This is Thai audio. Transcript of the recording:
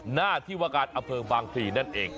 หน้าที่วกาศอเวิร์คบางทินนั่นเอง